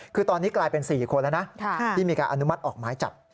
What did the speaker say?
คือตอนนี้กลายเป็น๔คนแล้วนะที่มีการอนุมัติออกหมายจับ